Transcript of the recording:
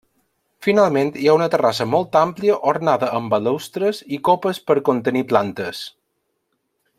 Finalment hi ha una terrassa molt àmplia ornada amb balustres i copes per contenir plantes.